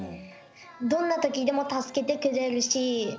どんな時でも助けてくれるし。